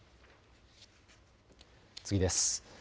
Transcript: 次です。